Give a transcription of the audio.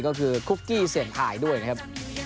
ก็คือคุกกี้เสี่ยงทายด้วยนะครับ